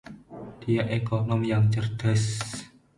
Dia ekonom yang cerdas.